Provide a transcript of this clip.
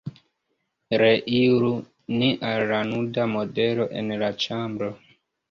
Reiru ni al la nuda modelo en la ĉambro.